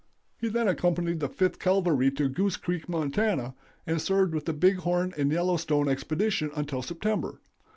He then accompanied the Fifth Cavalry to Goose Creek, Mont., and served with the Big Horn and Yellowstone expedition until September.